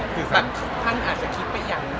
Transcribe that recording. คือท่านอาจจะคิดไปอย่างนี้